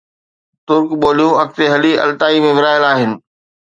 ترڪ ٻوليون اڳتي هلي Altai ۾ ورهايل آهن